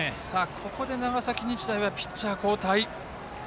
ここで長崎日大はピッチャー交代。